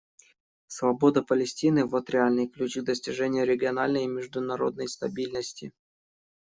Свобода Палестины — вот реальный ключ к достижению региональной и международной стабильности.